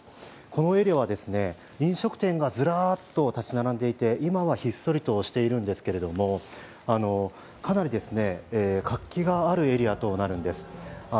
このエリアは飲食店がずらーっと建ち並んでいて今はひっそりとしているんですけれども、かなり活気があるエリアとなるんです。